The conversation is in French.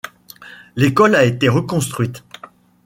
L'école a été reconstruite.